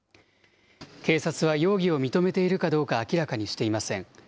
警察は容疑を認めているかどうか明らかにしていません。